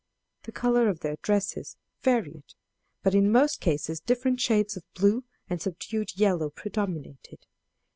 The color of their dresses varied, but in most cases different shades of blue and subdued yellow predominated.